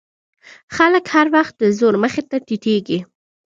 خلک هر وخت د زور مخې ته ټیټېږي.